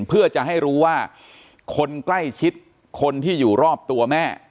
เพื่อจะให้รู้ว่าคนใกล้ชิดคนที่อยู่รอบตัวแม่